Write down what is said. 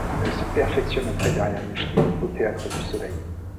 Elle se perfectionne auprès d’Ariane Mnouchkine au Théâtre du Soleil.